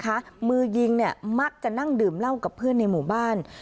มือยิงเนี่ยมักจะนั่งดื่มเหล้ากับเพื่อนในหมู่บ้าน